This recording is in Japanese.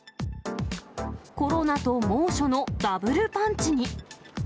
コロナと猛暑のダブルパンチに。